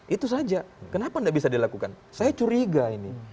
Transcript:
itu saja kenapa tidak bisa dilakukan saya curiga ini